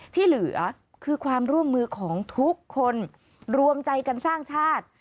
ที่เหลือคือความร่วมมือของทุกคนรวมใจกันสร้างชาติ